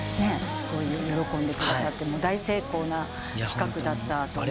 すごい喜んでくださって大成功な企画だったと思うんですけど。